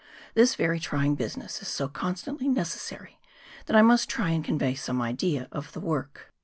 This very trying business is so constantly necessary, that I must try and convey some idea of the work.